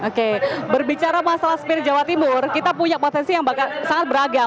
oke berbicara masalah spirit jawa timur kita punya potensi yang sangat beragam